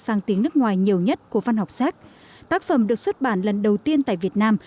sang tiếng nước ngoài nhiều nhất của văn học séc tác phẩm được xuất bản lần đầu tiên tại việt nam